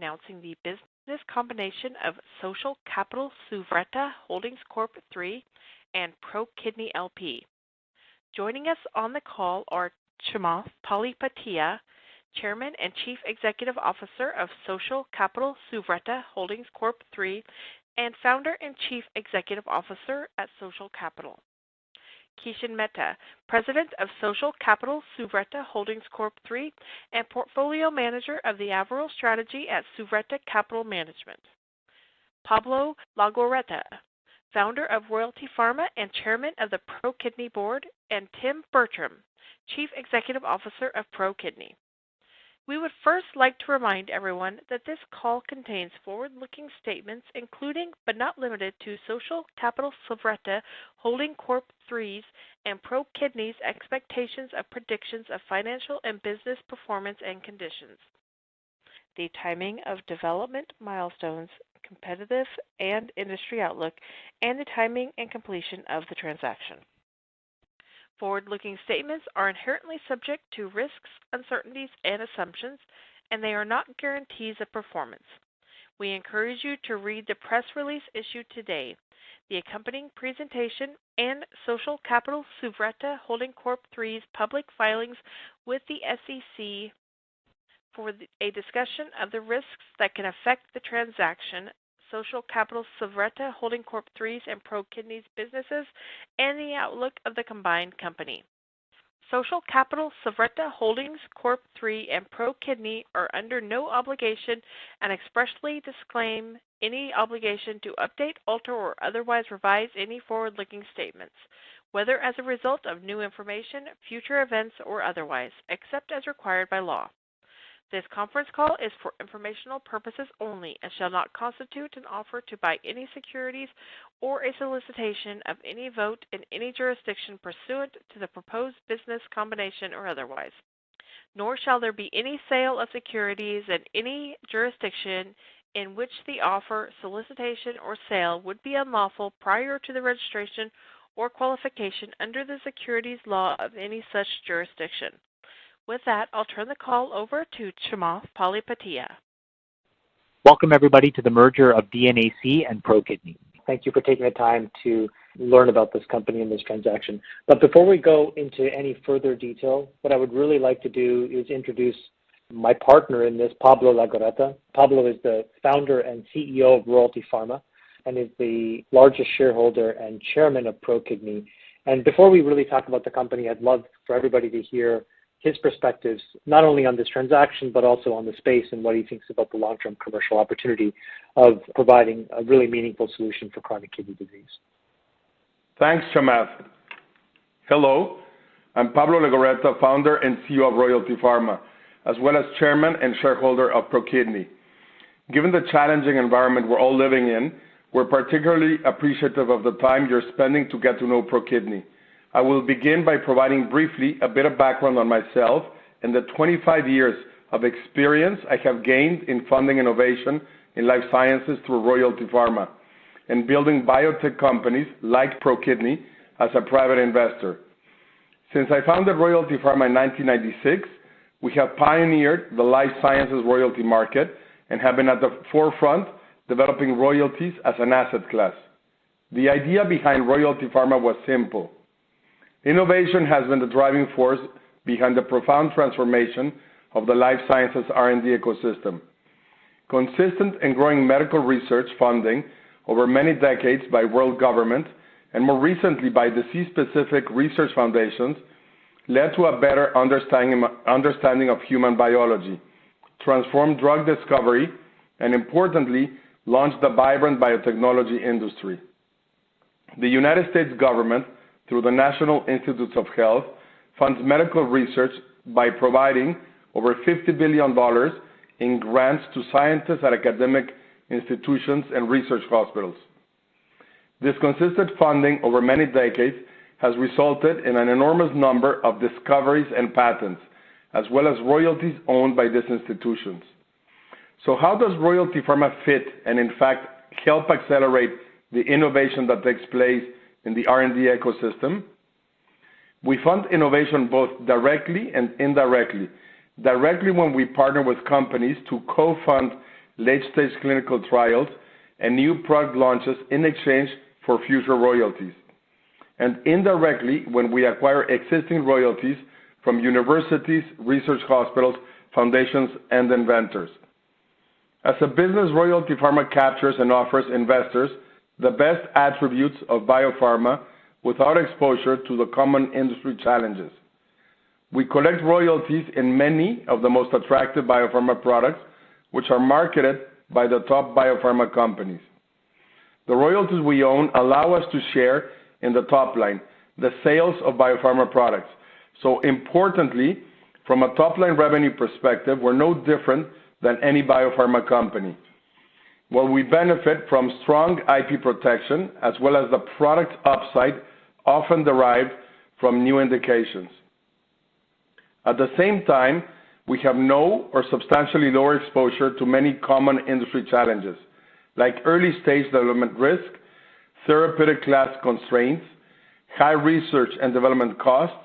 Announcing the business combination of Social Capital Suvretta Holdings Corp. III and ProKidney LP. Joining us on the call are Chamath Palihapitiya, Chairman and Chief Executive Officer of Social Capital Suvretta Holdings Corp. III and Founder and Chief Executive Officer at Social Capital; Kishen Mehta, President of Social Capital Suvretta Holdings Corp. III and Portfolio Manager of the Averill strategy at Suvretta Capital Management; Pablo Legorreta, Founder of Royalty Pharma and Chairman of the ProKidney Board; and Tim Bertram, Chief Executive Officer of ProKidney. We would first like to remind everyone that this call contains forward-looking statements, including, but not limited to, Social Capital Suvretta Holdings Corp. III's and ProKidney's expectations or predictions of financial and business performance and conditions, the timing of development milestones, competitive and industry outlook, and the timing and completion of the transaction. Forward-looking statements are inherently subject to risks, uncertainties, and assumptions, and they are not guarantees of performance. We encourage you to read the press release issued today, the accompanying presentation, and Social Capital Suvretta Holdings Corp. III's public filings with the SEC for a discussion of the risks that can affect the transaction, Social Capital Suvretta Holdings Corp. III's and ProKidney's businesses, and the outlook of the combined company. Social Capital Suvretta Holdings Corp. III and ProKidney are under no obligation and expressly disclaim any obligation to update, alter, or otherwise revise any forward-looking statements, whether as a result of new information, future events, or otherwise, except as required by law. This conference call is for informational purposes only and shall not constitute an offer to buy any securities or a solicitation of any vote in any jurisdiction pursuant to the proposed business combination or otherwise. Nor shall there be any sale of securities in any jurisdiction in which the offer, solicitation, or sale would be unlawful prior to the registration or qualification under the securities law of any such jurisdiction. With that, I'll turn the call over to Chamath Palihapitiya. Welcome, everybody, to the merger of DNAC and ProKidney. Thank you for taking the time to learn about this company and this transaction. Before we go into any further detail, what I would really like to do is introduce my partner in this, Pablo Legorreta. Pablo is the Founder and CEO of Royalty Pharma and is the largest shareholder and Chairman of ProKidney. Before we really talk about the company, I'd love for everybody to hear his perspectives, not only on this transaction, but also on the space and what he thinks about the long-term commercial opportunity of providing a really meaningful solution for chronic kidney disease. Thanks, Chamath. Hello, I'm Pablo Legorreta, Founder and CEO of Royalty Pharma, as well as Chairman and shareholder of ProKidney. Given the challenging environment we're all living in, we're particularly appreciative of the time you're spending to get to know ProKidney. I will begin by briefly providing a bit of background on myself and the 25 years of experience I have gained in funding innovation in life sciences through Royalty Pharma and building biotech companies like ProKidney as a private investor. Since I founded Royalty Pharma in 1996, we have pioneered the life sciences royalty market and have been at the forefront of developing royalties as an asset class. The idea behind Royalty Pharma was simple: Innovation has been the driving force behind the profound transformation of the life sciences R&D ecosystem. Consistent and growing medical research funding over many decades by world governments and more recently by disease-specific research foundations led to a better understanding of human biology, transformed drug discovery, and, importantly, launched the vibrant biotechnology industry. The United States government, through the National Institutes of Health, funds medical research by providing over $50 billion in grants to scientists at academic institutions and research hospitals. This consistent funding over many decades has resulted in an enormous number of discoveries and patents, as well as royalties owned by these institutions. How does Royalty Pharma fit in and, in fact, help accelerate the innovation that takes place in the R&D ecosystem? We fund innovation both directly and indirectly. Directly, when we partner with companies to co-fund late-stage clinical trials and new product launches in exchange for future royalties. Indirectly, we acquire existing royalties from universities, research hospitals, foundations, and inventors. As a business, Royalty Pharma captures and offers investors the best attributes of biopharma without exposure to the common industry challenges. We collect royalties on many of the most attractive biopharma products, which are marketed by the top biopharma companies. The royalties we own allow us to share in the top line, the sales of biopharma products. Importantly, from a top-line revenue perspective, we're no different from any biopharma company. While we benefit from strong IP protection, as well as the product upside often derived from new indications, at the same time, we have no or substantially lower exposure to many common industry challenges, like early-stage development risk, therapeutic class constraints, high research and development costs,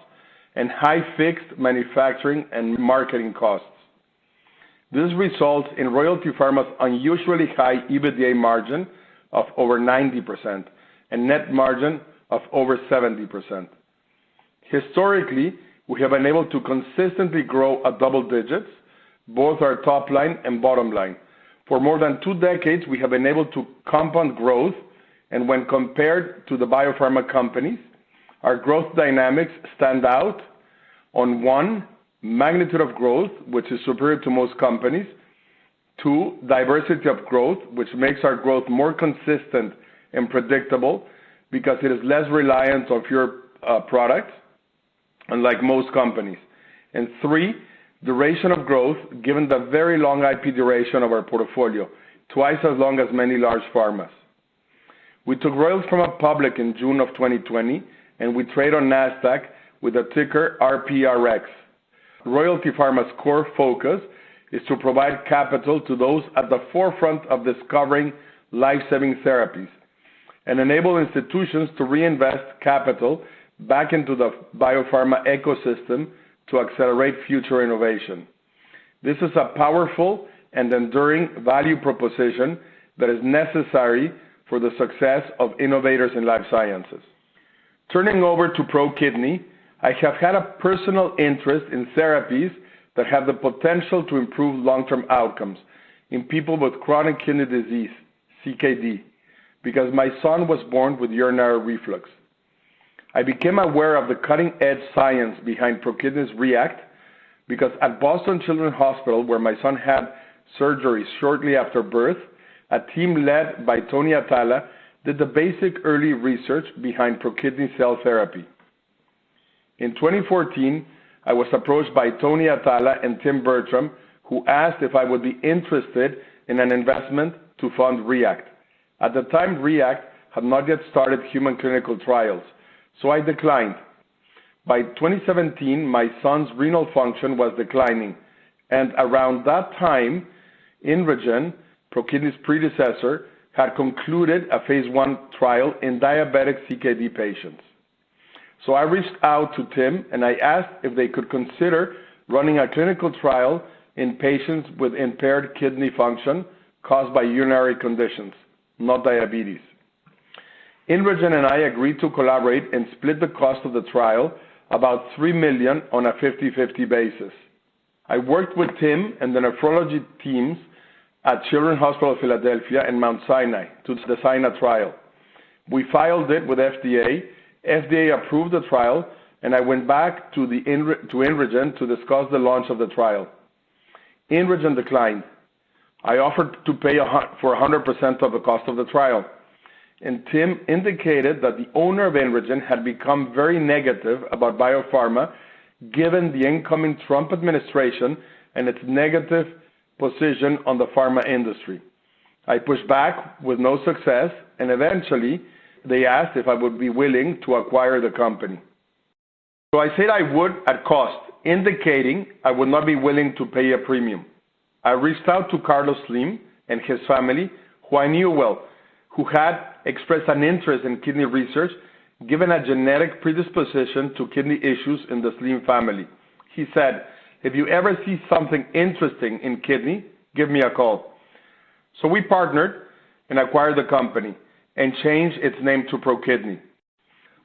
and high fixed manufacturing and marketing costs. This results in Royalty Pharma's unusually high EBITDA margin of over 90% and net margin of over 70%. Historically, we have been able to consistently grow at double digits, both our top line and bottom line. For more than two decades, we have been able to compound growth. When compared to biopharma companies, our growth dynamics stand out on: one, magnitude of growth, which is superior to most companies; two, diversity of growth, which makes our growth more consistent and predictable because it is less reliant on pure products, unlike most companies; three, duration of growth, given the very long IP duration of our portfolio, twice as long as many large pharmas. We took Royalty Pharma public in June 2020, and we trade on Nasdaq with the ticker RPRX. Royalty Pharma's core focus is to provide capital to those at the forefront of discovering life-saving therapies and enable institutions to reinvest capital back into the biopharma ecosystem to accelerate future innovation. This is a powerful and enduring value proposition that is necessary for the success of innovators in life sciences. Turning over to ProKidney, I have had a personal interest in therapies that have the potential to improve long-term outcomes in people with chronic kidney disease (CKD) because my son was born with urinary reflux. I became aware of the cutting-edge science behind ProKidney's REACT because at Boston Children's Hospital, where my son had surgery shortly after birth, a team led by Anthony Atala did the basic early research behind ProKidney cell therapy. In 2014, I was approached by Anthony Atala and Tim Bertram, who asked if I would be interested in an investment to fund REACT. At the time, REACT had not yet started human clinical trials, so I declined. By 2017, my son's renal function was declining, and around that time, inRegen, ProKidney's predecessor, had concluded a Phase I trial in diabetic CKD patients. I reached out to Tim and asked if they could consider running a clinical trial in patients with impaired kidney function caused by urinary conditions, not diabetes. inRegen and I agreed to collaborate and split the cost of the trial, about $3 million, on a 50/50 basis. I worked with Tim and the nephrology teams at Children's Hospital of Philadelphia and Mount Sinai to design a trial. We filed it with the FDA. The FDA approved the trial, and I went back to inRegen to discuss the launch of the trial. inRegen declined. I offered to pay 100% of the cost of the trial. Tim indicated that the owner of inRegen had become very negative about biopharma, given the incoming Trump administration and its negative position on the pharma industry. I pushed back with no success, and eventually, they asked if I would be willing to acquire the company. I said I would at cost, indicating I would not be willing to pay a premium. I reached out to Carlos Slim and his family, whom I knew well, who had expressed an interest in kidney research, given a genetic predisposition to kidney issues in the Slim family. He said, "If you ever see something interesting in kidney, give me a call." We partnered and acquired the company and changed its name to ProKidney.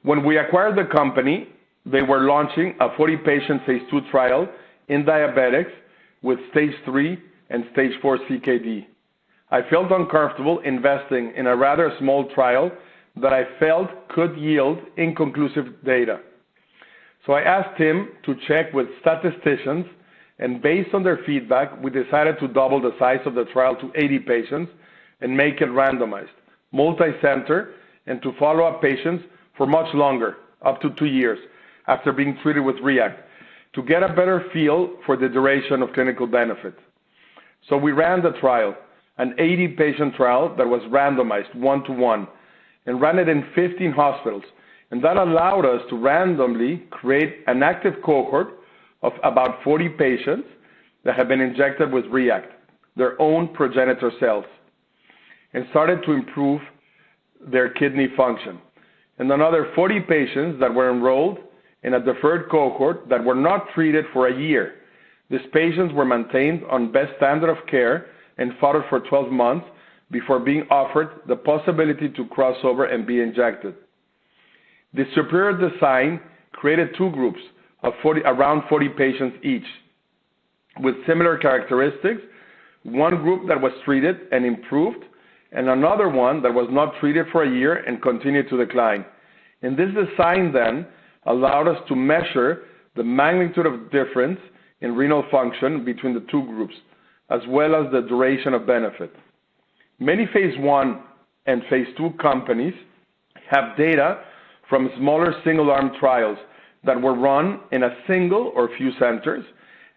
When we acquired the company, they were launching a 40-patient Phase II trial in diabetics with Stage 3 and Stage 4 CKD. I felt uncomfortable investing in a rather small trial that I felt could yield inconclusive data. I asked Tim to check with statisticians, and based on their feedback, we decided to double the size of the trial to 80 patients and make it randomized, multicenter, and to follow up with patients for much longer, up to 2 years after being treated with REACT, to get a better feel for the duration of clinical benefits. We ran the trial, an 80-patient trial that was randomized 1:1 and ran it in 15 hospitals. That allowed us to randomly create an active cohort of about 40 patients that had been injected with REACT, their own progenitor cells, and started to improve their kidney function. Another 40 patients were enrolled in a deferred cohort and were not treated for a year. These patients were maintained on the best standard of care and followed for 12 months before being offered the possibility to cross over and be injected. The superior design created two groups of around 40 patients each with similar characteristics: one group that was treated and improved, and another that was not treated for a year and continued to decline. This design then allowed us to measure the magnitude of difference in renal function between the two groups, as well as the duration of benefit. Many Phase I and Phase II companies have data from smaller single-arm trials that were run in a single or a few centers,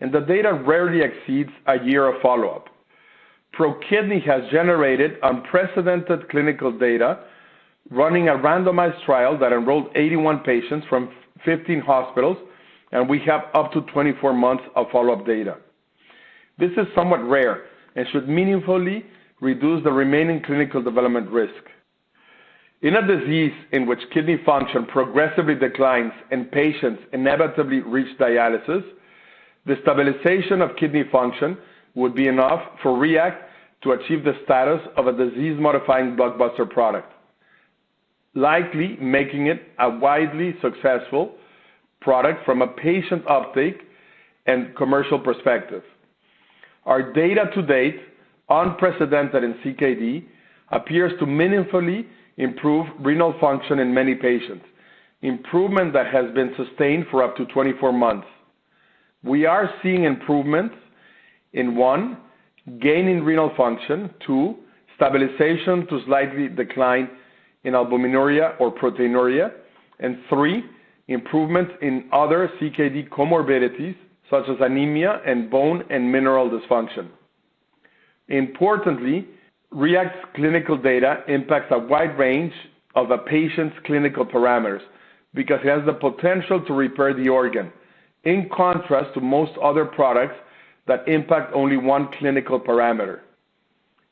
and the data rarely exceed a year of follow-up. ProKidney has generated unprecedented clinical data from a randomized trial that enrolled 81 patients from 15 hospitals, and we have up to 24 months of follow-up data. This is somewhat rare and should meaningfully reduce the remaining clinical development risk. In a disease in which kidney function progressively declines and patients inevitably reach dialysis, the stabilization of kidney function would be enough for REACT to achieve the status of a disease-modifying blockbuster product, likely making it a widely successful product from a patient uptake and commercial perspective. Our data to date, unprecedented in CKD, appear to meaningfully improve renal function in many patients, an improvement that has been sustained for up to 24 months. We are seeing improvements in: 1) gaining renal function; 2) stabilization to a slight decline in albuminuria or proteinuria; and 3) improvements in other CKD comorbidities such as anemia and bone and mineral dysfunction. Importantly, REACT's clinical data impacts a wide range of a patient's clinical parameters because it has the potential to repair the organ, in contrast to most other products that impact only one clinical parameter.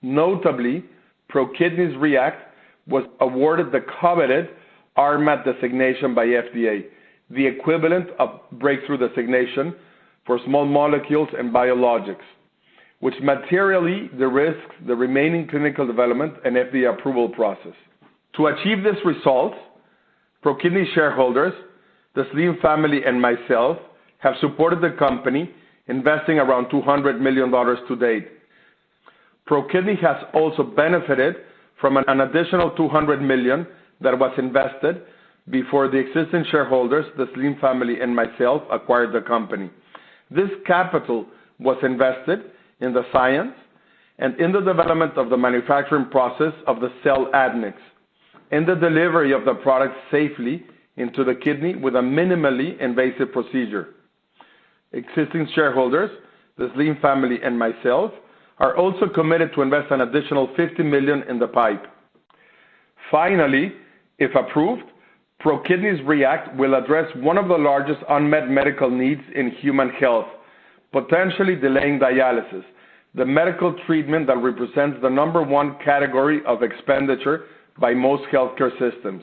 Notably, ProKidney's REACT was awarded the coveted RMAT designation by the FDA, the equivalent of breakthrough designation for small molecules and biologics, which materially de-risks the remaining clinical development and FDA approval process. To achieve this result, ProKidney shareholders, the Slim Family and I, have supported the company, investing around $200 million to date. ProKidney has also benefited from an additional $200 million that was invested before the existing shareholders, the Slim Family and I, acquired the company. This capital was invested in the science and in the development of the manufacturing process of the cell admix and the delivery of the product safely into the kidney with a minimally invasive procedure. Existing shareholders, the Slim Family and I, are also committed to investing an additional $50 million in the PIPE. Finally, if approved, ProKidney's REACT will address one of the largest unmet medical needs in human health, potentially delaying dialysis, the medical treatment that represents the number one category of expenditure by most healthcare systems.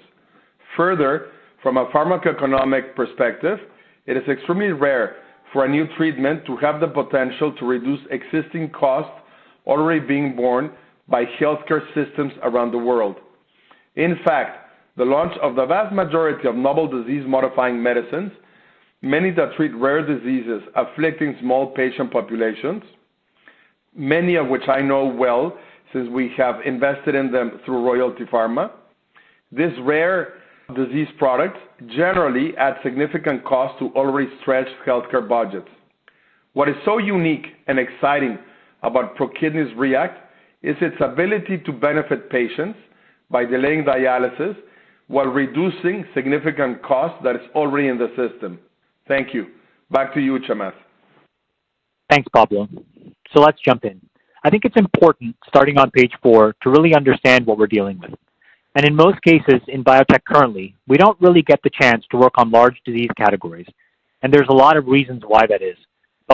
Furthermore, from a pharmacoeconomic perspective, it is extremely rare for a new treatment to have the potential to reduce existing costs already borne by healthcare systems around the world. In fact, the launch of the vast majority of novel disease-modifying medicines, many that treat rare diseases afflicting small patient populations—many of which I know well since we have invested in them through Royalty Pharma—generally adds significant cost to already stretched healthcare budgets. What is so unique and exciting about ProKidney's REACT is its ability to benefit patients by delaying dialysis while reducing significant costs that are already in the system. Thank you. Back to you, Chamath. Thanks, Pablo. Let's jump in. I think it's important, starting on page 4, to really understand what we're dealing with. In most cases in biotech currently, we don't really get the chance to work on large disease categories, and there are a lot of reasons why that is.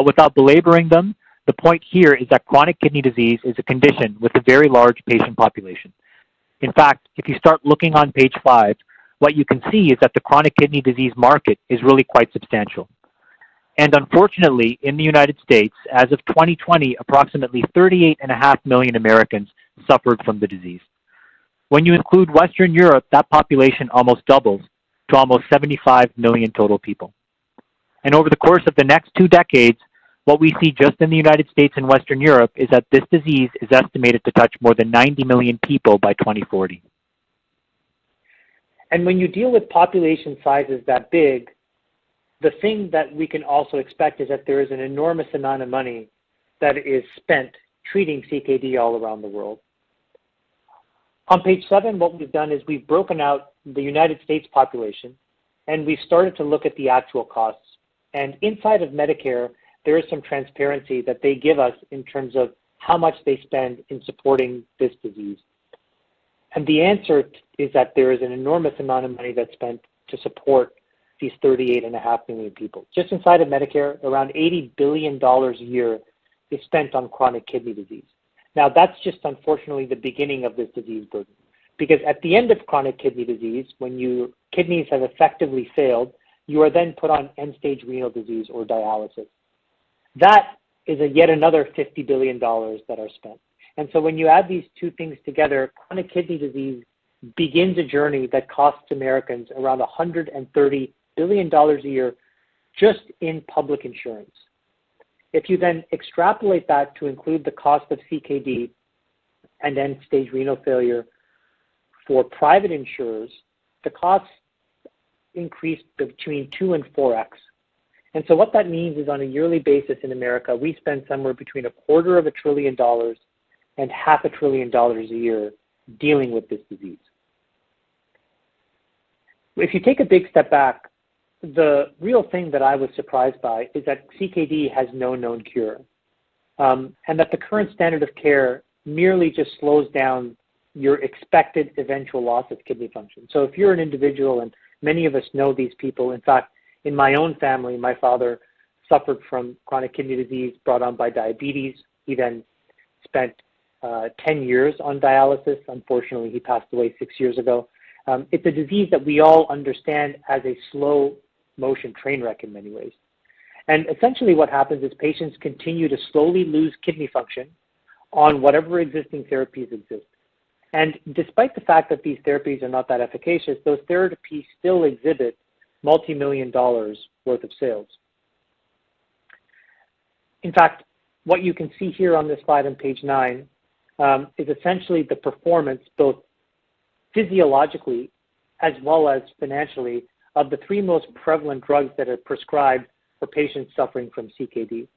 Without belaboring them, the point here is that chronic kidney disease is a condition with a very large patient population. In fact, if you start looking on page 5, what you can see is that the chronic kidney disease market is really quite substantial. Unfortunately, in the United States, as of 2020, approximately 38.5 million Americans suffered from the disease. When you include Western Europe, that population almost doubles to almost 75 million total people. Over the course of the next two decades, what we see just in the United States and Western Europe is that this disease is estimated to affect more than 90 million people by 2040. When you deal with population sizes that big, the thing that we can also expect is that an enormous amount of money is spent treating CKD all around the world. On page 7, what we've done is we've broken out the United States population, and we've started to look at the actual costs. Within Medicare, there is some transparency that they give us in terms of how much they spend in supporting this disease. The answer is that an enormous amount of money is spent to support these 38.5 million people. Just within Medicare, around $80 billion a year is spent on chronic kidney disease. Now, that's unfortunately just the beginning of this disease burden, because at the end of chronic kidney disease, when your kidneys have effectively failed, you are then put on end-stage renal disease or dialysis. That is yet another $50 billion that is spent. When you add these two things together, chronic kidney disease begins a journey that costs Americans around $130 billion a year just in public insurance. If you then extrapolate that to include the cost of CKD and end-stage renal failure for private insurers, the costs increase between 2x and 4x. What that means is on a yearly basis in America, we spend somewhere between a quarter of a trillion dollars and half a trillion dollars a year dealing with this disease. If you take a big step back, the real thing that surprised me is that CKD has no known cure, and that the current standard of care merely slows down your expected eventual loss of kidney function. If you're an individual, and many of us know these people—in fact, in my own family, my father suffered from chronic kidney disease brought on by diabetes. He then spent 10 years on dialysis. Unfortunately, he passed away six years ago. It's a disease that we all understand as a slow-motion train wreck in many ways. Essentially, what happens is patients continue to slowly lose kidney function on whatever existing therapies exist. Despite the fact that these therapies are not that efficacious, those therapies still exhibit multi-million dollars' worth of sales. In fact, what you can see here on this slide on page 9 is essentially the performance, both physiologically and financially, of the three most prevalent drugs that are prescribed for patients suffering from CKD.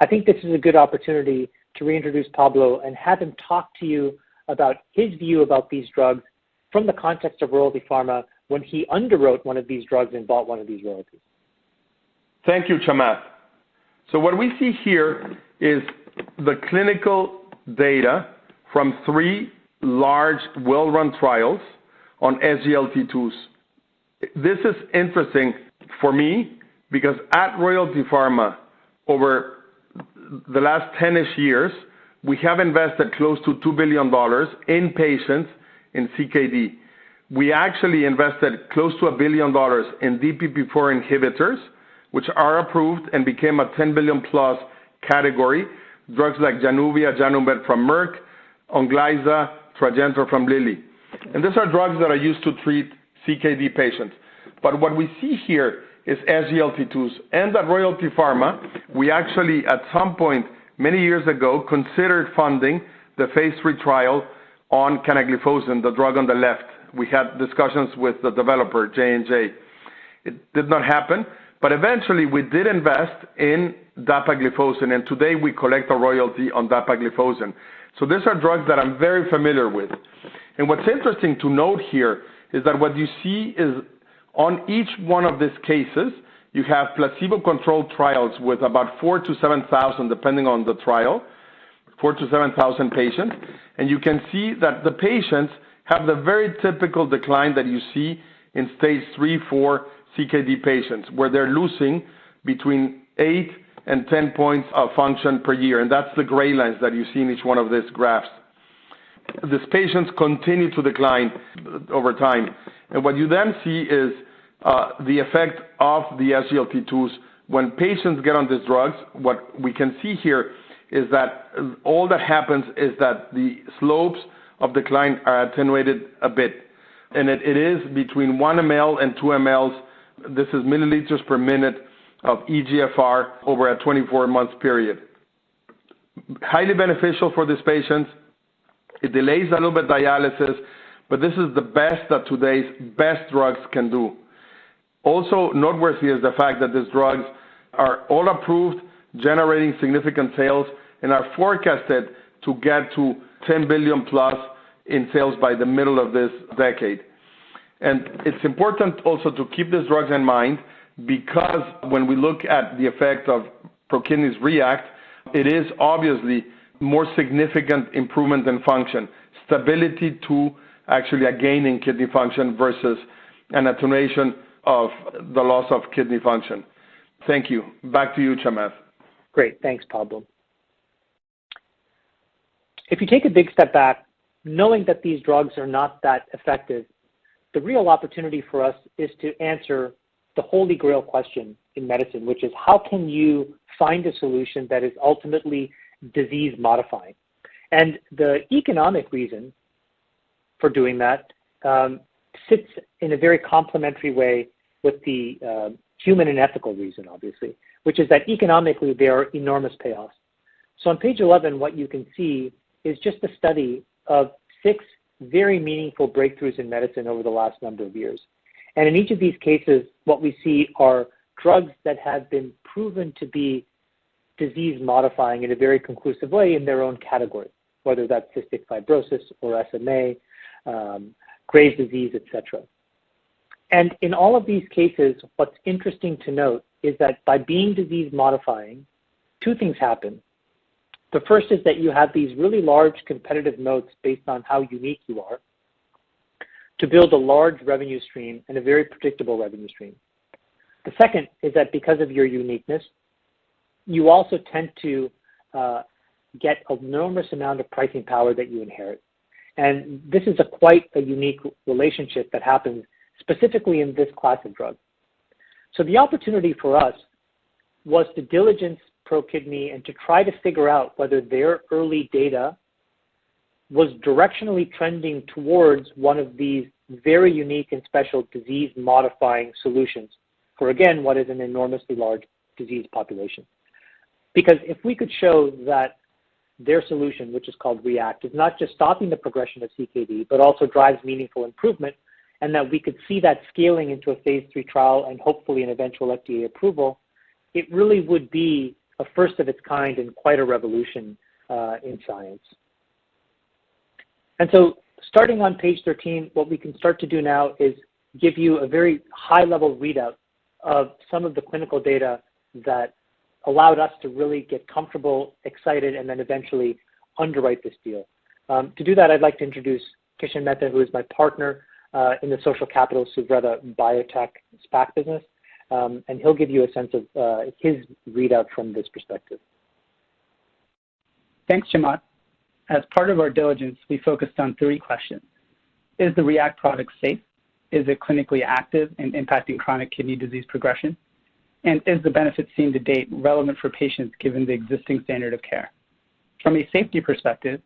I think this is a good opportunity to reintroduce Pablo and have him talk to you about his view of these drugs from the context of Royalty Pharma when he underwrote one of these drugs and bought one of these royalties. Thank you, Chamath. What we see here is the clinical data from three large, well-run trials on SGLT2s. This is interesting for me because at Royalty Pharma, over the last 10 years or so, we have invested close to $2 billion in patients with CKD. We actually invested close to $1 billion in DPP-4 inhibitors, which are approved and became a $10 billion-plus category. Drugs like Januvia, Janumet from Merck, Onglyza, and Tradjenta from Lilly are used to treat CKD patients. What we see here are SGLT2s. At Royalty Pharma, we actually, at some point many years ago, considered funding the phase III trial on canagliflozin, the drug on the left. We had discussions with the developer, J&J. It did not happen, but eventually we did invest in dapagliflozin, and today we collect a royalty on dapagliflozin. These are drugs I'm very familiar with. What's interesting to note here is that in each of these cases, you have placebo-controlled trials with about 4,000-7,000 patients, depending on the trial. You can see that the patients have the very typical decline that you see in stage 3, 4 CKD patients, where they're losing between 8 and 10 points of function per year. That's the gray lines you see in each of these graphs. These patients continue to decline over time. What you then see is the effect of the SGLT2s. When patients take these drugs, what we can see here is that the slopes of decline are attenuated a bit. It is between 1 mL and 2 mL, this is milliliters per minute, of eGFR over a 24-month period, highly beneficial for these patients. It delays dialysis a little bit, but this is the best that today's best drugs can do. Also noteworthy is the fact that these drugs are all approved, generating significant sales and are forecasted to reach $10 billion+ in sales by the middle of this decade. It's important also to keep these drugs in mind because when we look at the effect of ProKidney's REACT, it is obviously a more significant improvement in function, stability to actually a gain in kidney function versus an attenuation of the loss of kidney function. Thank you. Back to you, Chamath. Great. Thanks, Pablo. If you take a big step back, knowing that these drugs are not that effective, the real opportunity for us is to answer the holy grail question in medicine, which is: How can you find a solution that is ultimately disease-modifying? The economic reason for doing that sits in a very complementary way with the human and ethical reason, obviously, which is that economically, there are enormous payoffs. On page 11, what you can see is just a study of six very meaningful breakthroughs in medicine over the last number of years. In each of these cases, what we see are drugs that have been proven to be disease-modifying in a very conclusive way in their own category, whether that's cystic fibrosis or SMA, Graves' disease, et cetera. In all of these cases, what's interesting to note is that by being disease modifying, two things happen. The first is that you have these really large competitive moats based on how unique you are to build a large and very predictable revenue stream. The second is that because of your uniqueness, you also tend to get an enormous amount of pricing power that you inherit. This is a quite unique relationship that happens specifically in this class of drug. The opportunity for us was to diligence ProKidney and to try to figure out whether their early data was directionally trending towards one of these very unique and special disease-modifying solutions for, again, what is an enormously large disease population. Because if we could show that their solution, which is called REACT, is not just stopping the progression of CKD, but also drives meaningful improvement, and that we could see that scaling into a phase III trial and hopefully an eventual FDA approval, it really would be a first of its kind and quite a revolution in science. Starting on page 13, what we can start to do now is give you a very high-level readout of some of the clinical data that allowed us to really get comfortable, excited, and then eventually underwrite this deal. To do that, I'd like to introduce Kishen Mehta, who is my partner in the Social Capital Suvretta Biotech SPAC business, and he'll give you a sense of his readout from this perspective. Thanks, Chamath. As part of our due diligence, we focused on three questions: Is the REACT product safe? Is it clinically active in impacting chronic kidney disease progression? And is the benefit seen to date relevant for patients given the existing standard of care? From a safety perspective,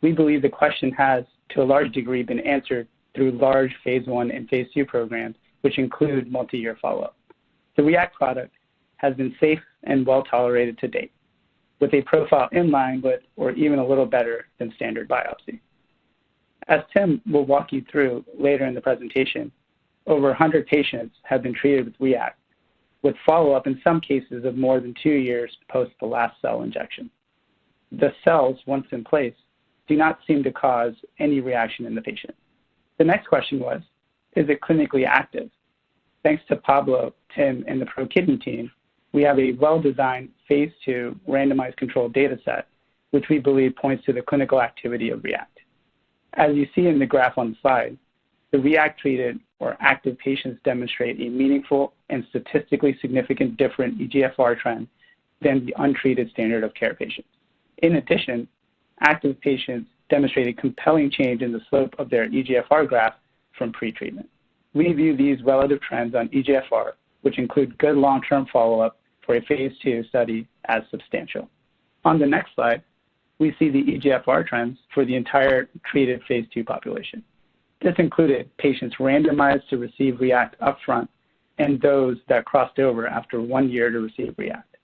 we believe the question has, to a large degree, been answered through large Phase I and Phase II programs, which include multi-year follow-up. The REACT product has been safe and well-tolerated to date, with a profile in line with or even a little better than standard biopsy. As Tim will walk you through later in the presentation, over 100 patients have been treated with REACT, with follow-up in some cases of more than two years post the last cell injection. The cells, once in place, do not seem to cause any reaction in the patient. The next question was, is it clinically active? Thanks to Pablo, Tim, and the ProKidney team, we have a well-designed Phase II randomized controlled data set, which we believe points to the clinical activity of REACT. As you see in the graph on the side, the REACT-treated or active patients demonstrate a meaningful and statistically significant difference in eGFR trend than the untreated standard of care patients. In addition, active patients demonstrated a compelling change in the slope of their eGFR graph from pretreatment. We view these relative trends on eGFR, which include good long-term follow-up for a Phase II study, as substantial. On the next slide, we see the eGFR trends for the entire treated Phase II population. This included patients randomized to receive REACT upfront and those that crossed over after one year to receive REACT.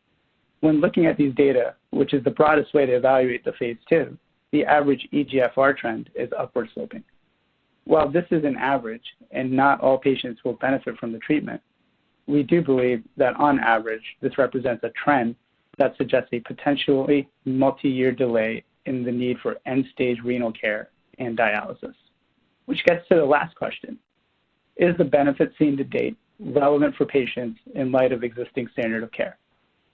When looking at these data, which is the broadest way to evaluate Phase II, the average eGFR trend is upward sloping. While this is an average and not all patients will benefit from the treatment, we do believe that on average, this represents a trend that suggests a potentially multi-year delay in the need for end-stage renal care and dialysis, which gets to the last question. Is the benefit seen to date relevant for patients in light of existing standard of care?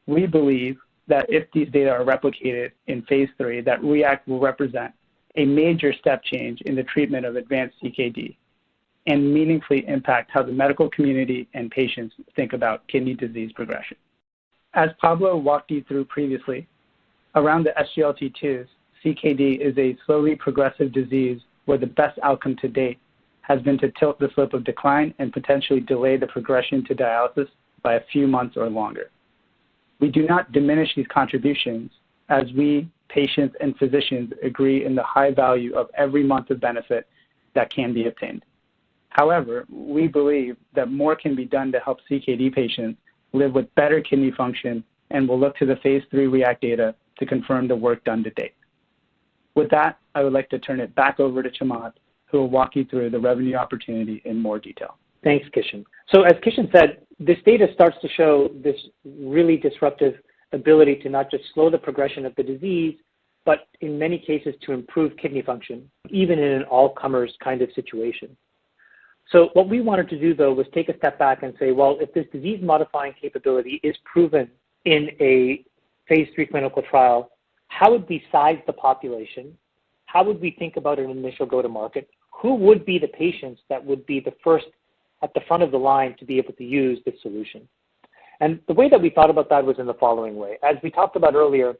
We believe that if these data are replicated in Phase III, REACT will represent a major step change in the treatment of advanced CKD and meaningfully impact how the medical community and patients think about kidney disease progression. As Pablo walked you through previously, regarding SGLT2s, CKD is a slowly progressive disease where the best outcome to date has been to alter the slope of decline and potentially delay the progression to dialysis by a few months or longer. We do not diminish these contributions as we, patients and physicians, agree on the high value of every month of benefit that can be obtained. However, we believe that more can be done to help CKD patients live with better kidney function and will look to the Phase III REACT data to confirm the work done to date. With that, I would like to turn it back over to Chamath, who will walk you through the revenue opportunity in more detail. Thanks, Kishan. As Kishan said, this data starts to show this really disruptive ability to not just slow the progression of the disease, but in many cases to improve kidney function, even in an all-comers kind of situation. What we wanted to do, though, was take a step back and say, "Well, if this disease-modifying capability is proven in a phase III clinical trial, how would we size the population? How would we think about an initial go-to-market? Who would be the patients that would be the first at the front of the line to be able to use this solution?" The way that we thought about that was in the following way. As we talked about earlier,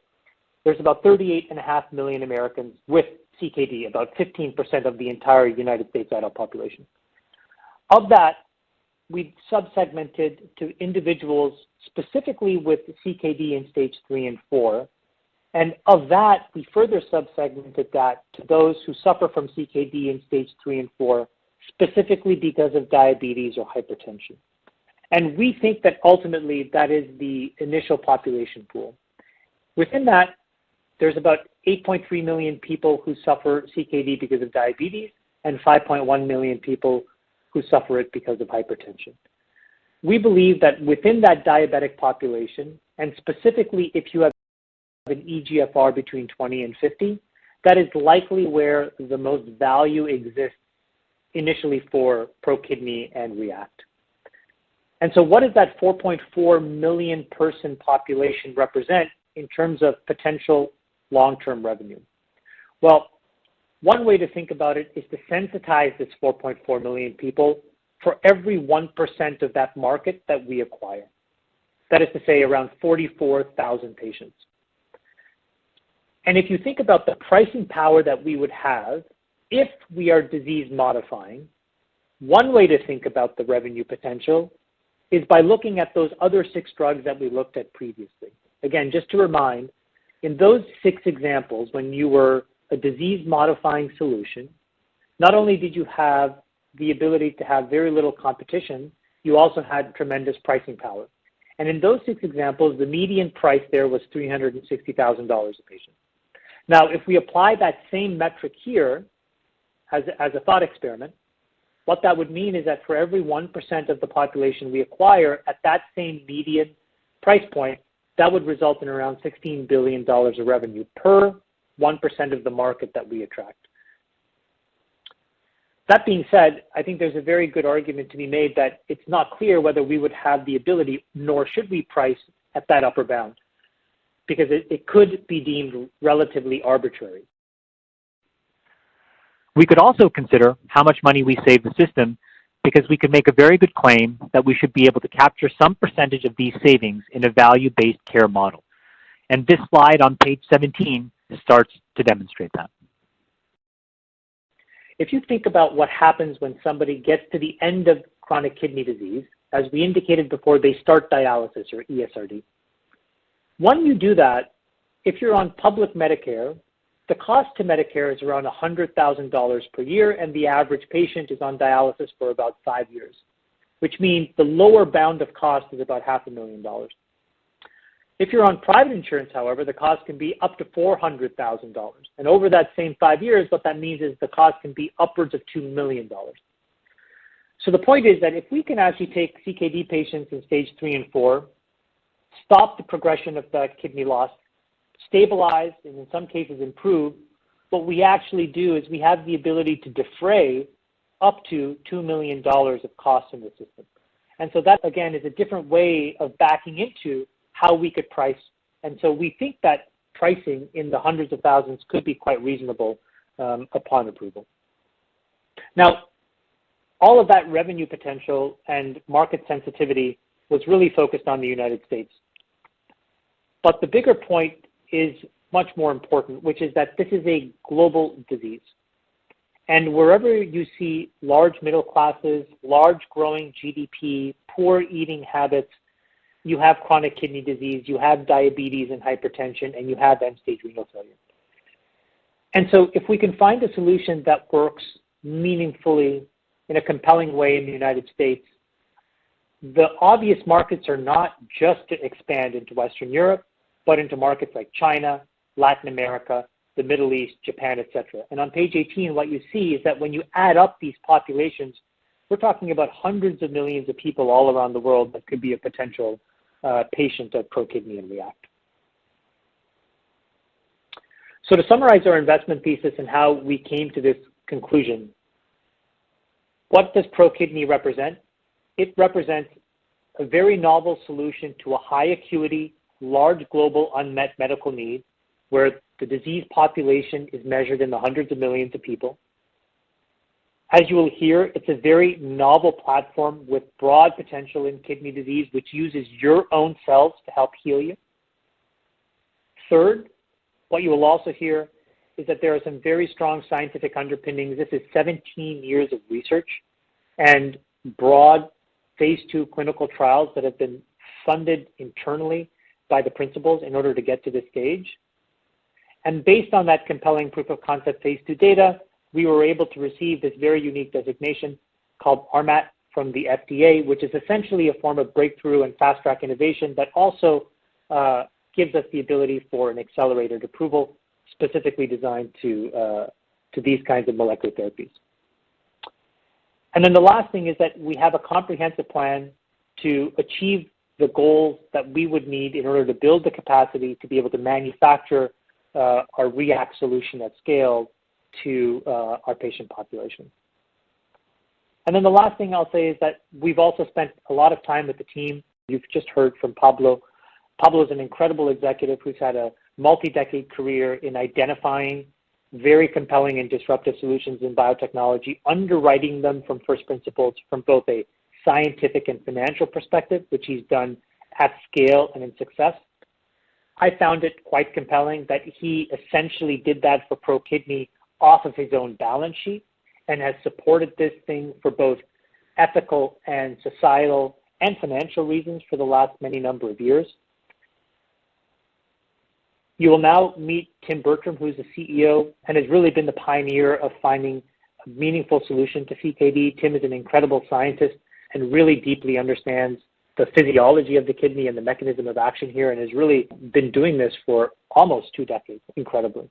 there are about 38.5 million Americans with CKD, about 15% of the entire United States adult population. Of that, we sub-segmented to individuals specifically with CKD in stages 3 and 4, and from that, we further sub-segmented to those who suffer from CKD in stages 3 and 4, specifically because of diabetes or hypertension. We think that ultimately that is the initial population pool. Within that, there are about 8.3 million people who suffer from CKD because of diabetes and 5.1 million people who suffer from it because of hypertension. We believe that within that diabetic population, and specifically if you have an eGFR between 20 and 50, that is likely where the most value exists initially for ProKidney and REACT. What does that 4.4 million-person population represent in terms of potential long-term revenue? Well, one way to think about it is to sensitize these 4.4 million people for every 1% of that market that we acquire. That is to say, around 44,000 patients. If you think about the pricing power that we would have if we are disease-modifying, one way to think about the revenue potential is by looking at those other six drugs that we looked at previously. Again, just to remind you, in those six examples, when you had a disease-modifying solution, not only did you have the ability to have very little competition, you also had tremendous pricing power. In those six examples, the median price was $360,000 per patient. Now, if we apply that same metric here as a thought experiment, what that would mean is that for every 1% of the population we acquire at that same median price point, that would result in around $16 billion of revenue per 1% of the market that we attract. That being said, I think there's a very good argument to be made that it's not clear whether we would have the ability, nor should we price at that upper bound, because it could be deemed relatively arbitrary. We could also consider how much money we save the system because we could make a very good claim that we should be able to capture some percentage of these savings in a value-based care model. This slide on page 17 starts to demonstrate that. If you think about what happens when somebody gets to the end of chronic kidney disease, as we indicated before, they start dialysis or ESRD. When you do that, if you're on public Medicare, the cost to Medicare is around $100,000 per year, and the average patient is on dialysis for about five years, which means the lower bound of cost is about $500,000. If you're on private insurance, however, the cost can be up to $400,000. Over that same five years, what that means is the cost can be upwards of $2 million. The point is that if we can actually take CKD patients in stage three and four, stop the progression of that kidney loss, stabilize, and in some cases improve, what we actually do is we have the ability to defray up to $2 million in costs in the system. That again is a different way of backing into how we could price. We think that pricing in the hundreds of thousands could be quite reasonable upon approval. Now, all of that revenue potential and market sensitivity was really focused on the United States. The bigger point is much more important, which is that this is a global disease. Wherever you see large middle classes, large growing GDP, poor eating habits, you have chronic kidney disease, you have diabetes and hypertension, and you have end-stage renal failure. If we can find a solution that works meaningfully and compellingly in the United States, the obvious markets are not just Western Europe, but also China, Latin America, the Middle East, Japan, et cetera. On page 18, you'll see that when you add up these populations, we're talking about hundreds of millions of people all around the world who could be potential patients of ProKidney and REACT. To summarize our investment thesis and how we came to this conclusion, what does ProKidney represent? It represents a very novel solution to a high-acuity, large global unmet medical need, where the disease population is measured in the hundreds of millions of people. As you will hear, it's a very novel platform with broad potential in kidney disease, which uses your own cells to help heal you. Third, what you will also hear is that there are some very strong scientific underpinnings. This is 17 years of research and broad phase II clinical trials that have been funded internally by the principals in order to get to this stage. Based on that compelling proof-of-concept phase II data, we were able to receive this very unique designation called RMAT from the FDA, which is essentially a form of breakthrough and fast-track innovation that also gives us the ability for an accelerated approval specifically designed for these kinds of molecular therapies. Then the last thing is that we have a comprehensive plan to achieve the goals that we would need in order to build the capacity to be able to manufacture our REACT solution at scale for our patient population. The last thing I'll say is that we've also spent a lot of time with the team. You've just heard from Pablo. Pablo is an incredible executive who's had a multi-decade career in identifying very compelling and disruptive solutions in biotechnology, underwriting them from first principles from both a scientific and financial perspective, which he's done at scale and with success. I found it quite compelling that he essentially did that for ProKidney off his own balance sheet and has supported this endeavor for both ethical, societal, and financial reasons for the last many years. You will now meet Tim Bertram, who is the CEO and has really been the pioneer of finding a meaningful solution to CKD. Tim is an incredible scientist and deeply understands the physiology of the kidney and its mechanism of action. He has been doing this for almost two decades, which is incredible.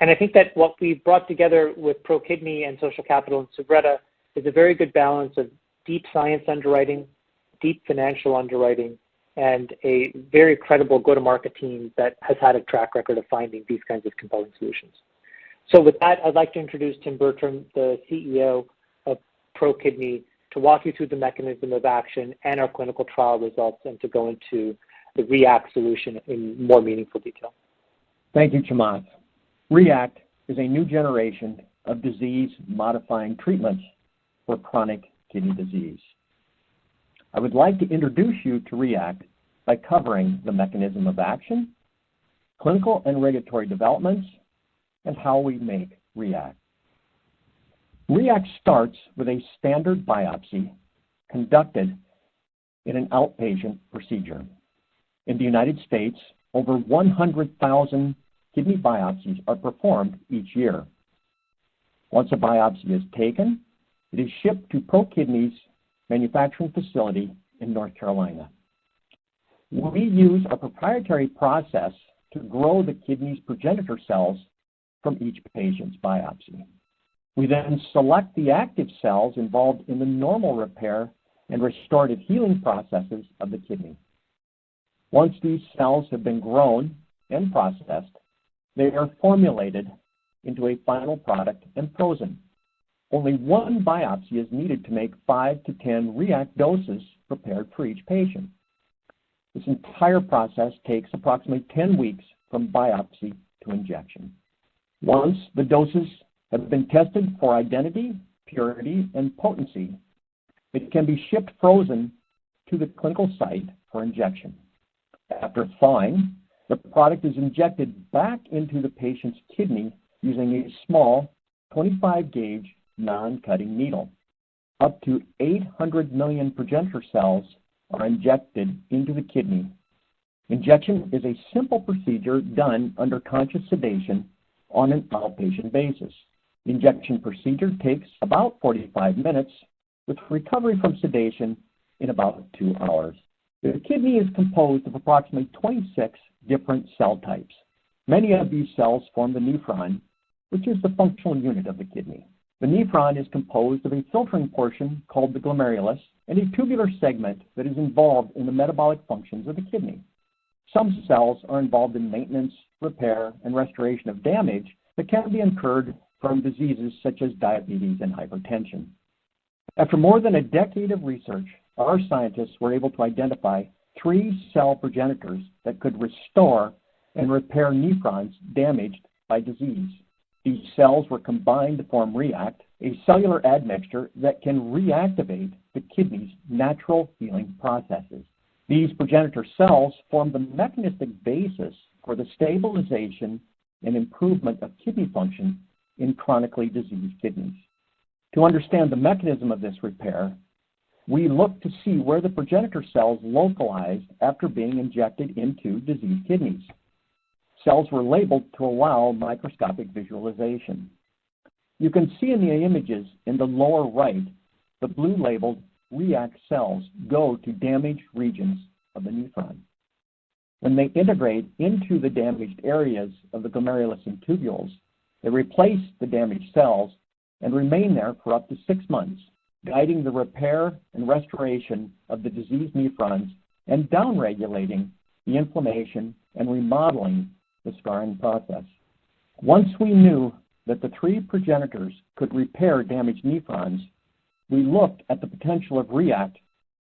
I think that what we've brought together with ProKidney, Social Capital, and Suvretta is a very good balance of deep science underwriting, deep financial underwriting, and a very credible go-to-market team that has a track record of finding these kinds of compelling solutions. With that, I'd like to introduce Tim Bertram, the CEO of ProKidney, to walk you through the mechanism of action and our clinical trial results and to go into the REACT solution in more meaningful detail. Thank you, Chamath. REACT is a new generation of disease-modifying treatments for chronic kidney disease. I would like to introduce you to REACT by covering its mechanism of action, clinical and regulatory developments, and how we make REACT. REACT starts with a standard biopsy conducted in an outpatient procedure. In the United States, over 100,000 kidney biopsies are performed each year. Once a biopsy is taken, it is shipped to ProKidney's manufacturing facility in North Carolina, where we use a proprietary process to grow the kidney's progenitor cells from each patient's biopsy. We then select the active cells involved in the normal repair and restorative healing processes of the kidney. Once these cells have been grown and processed, they are formulated into a final product and frozen. Only one biopsy is needed to make 5-10 REACT doses prepared for each patient. This entire process takes approximately 10 weeks from biopsy to injection. Once the doses have been tested for identity, purity, and potency, they can be shipped frozen to the clinical site for injection. After thawing, the product is injected back into the patient's kidney using a small 25-gauge non-cutting needle. Up to 800 million progenitor cells are injected into the kidney. Injection is a simple procedure done under conscious sedation on an outpatient basis. The injection procedure takes about 45 minutes with recovery from sedation in about 2 hours. The kidney is composed of approximately 26 different cell types. Many of these cells form the nephron, which is the functional unit of the kidney. The nephron is composed of a filtering portion called the glomerulus and a tubular segment that is involved in the metabolic functions of the kidney. Some cells are involved in the maintenance, repair, and restoration of damage that can be incurred from diseases such as diabetes and hypertension. After more than a decade of research, our scientists were able to identify three cell progenitors that could restore and repair nephrons damaged by disease. These cells were combined to form REACT, a cellular admixture that can reactivate the kidney's natural healing processes. These progenitor cells form the mechanistic basis for the stabilization and improvement of kidney function in chronically diseased kidneys. To understand the mechanism of this repair, we looked to see where the progenitor cells localized after being injected into diseased kidneys. Cells were labeled to allow microscopic visualization. You can see in the images in the lower right, the blue-labeled REACT cells go to damaged regions of the nephron. When they integrate into the damaged areas of the glomerulus and tubules, they replace the damaged cells and remain there for up to six months, guiding the repair and restoration of the diseased nephrons, downregulating inflammation, and remodeling the scarring process. Once we knew that the three progenitors could repair damaged nephrons, we looked at the potential of REACT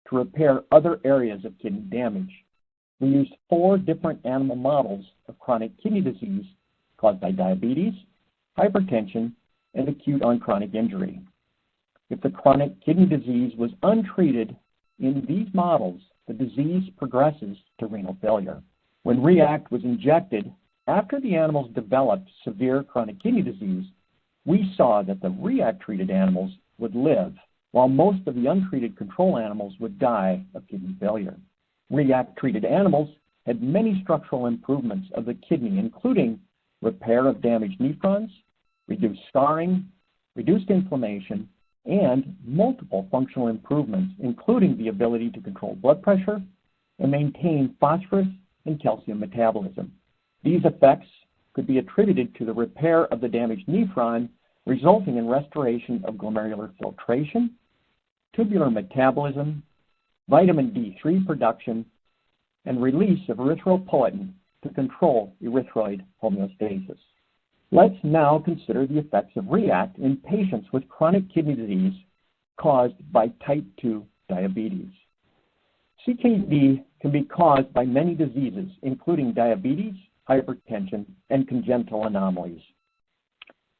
to repair other areas of kidney damage. We used four different animal models of chronic kidney disease caused by diabetes, hypertension, and acute-on-chronic injury. If the chronic kidney disease was untreated in these models, the disease progressed to renal failure. When REACT was injected after the animals developed severe chronic kidney disease, we saw that the REACT-treated animals would live while most of the untreated control animals would die of kidney failure. REACT-treated animals had many structural improvements of the kidney, including repair of damaged nephrons, reduced scarring, reduced inflammation, and multiple functional improvements, including the ability to control blood pressure and maintain phosphorus and calcium metabolism. These effects could be attributed to the repair of the damaged nephron, resulting in restoration of glomerular filtration, tubular metabolism, vitamin D3 production, and release of erythropoietin to control erythroid homeostasis. Let's now consider the effects of REACT in patients with chronic kidney disease caused by type 2 diabetes. CKD can be caused by many diseases, including diabetes, hypertension, and congenital anomalies.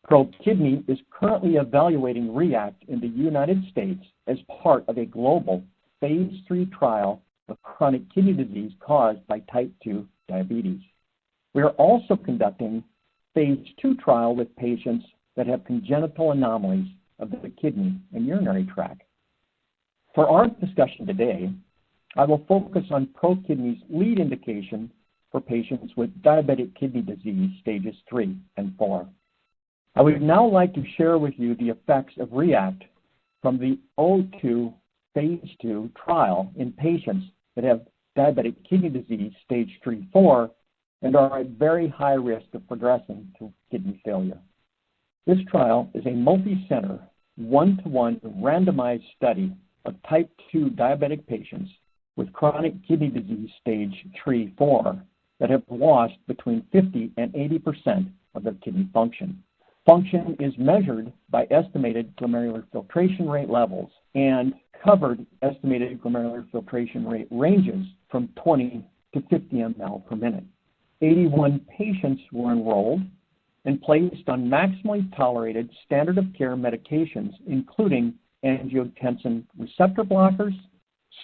ProKidney is currently evaluating REACT in the United States as part of a global phase III trial for chronic kidney disease caused by type 2 diabetes. We are also conducting a phase II trial with patients who have congenital anomalies of the kidney and urinary tract. For our discussion today, I will focus on ProKidney's lead indication for patients with diabetic kidney disease stages 3 and 4. I would now like to share with you the effects of REACT from the RMCL-002 phase II trial in patients who have diabetic kidney disease stage 3-4 and are at very high risk of progressing to kidney failure. This trial is a multicenter 1:1 randomized study of type 2 diabetic patients with chronic kidney disease stage 3-4 who have lost between 50% and 80% of their kidney function. Function is measured by estimated glomerular filtration rate levels, and eGFR ranges from 20-50 mL/min. 81 patients were enrolled and placed on maximally tolerated standard of care medications, including angiotensin receptor blockers,